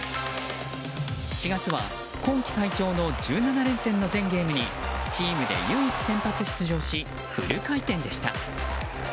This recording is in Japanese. ４月は今季最長の１７連戦の全ゲームにチームで唯一先発出場しフル回転でした。